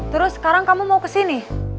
terus sekarang kamu mau kesini